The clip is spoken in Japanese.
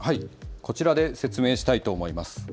こちらで説明したいと思います。